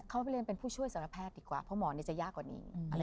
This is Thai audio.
เขาไปเรียนเป็นผู้ช่วยสารแพทย์ดีกว่าเพราะหมอนี่จะยากกว่านี้